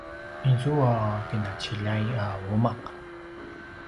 izua qinaciljay a umaq